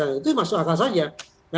itu masuk akal saja